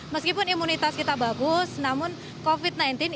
meskipun imunitas kita bagus namun covid sembilan belas